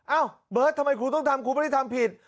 เอ้าเบิร์ตทำไมครูต้องทำครูไม่ได้ทำผิด